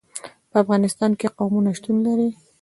په افغانستان کې قومونه شتون لري.